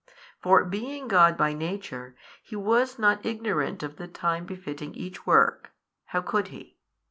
For being God by Nature, He was not ignorant of the time befitting each work (how could He?)